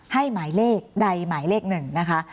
หมายเลขใดหมายเลขหนึ่งนะคะ